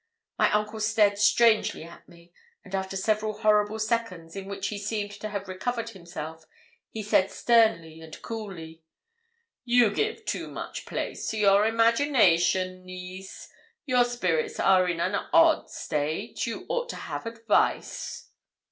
My uncle stared strangely at me again; and after several horrible seconds, in which he seemed to have recovered himself, he said, sternly and coolly 'You give too much place to your imagination, niece. Your spirits are in an odd state you ought to have advice.'